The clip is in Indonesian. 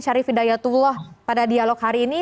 syarif hidayatullah pada dialog hari ini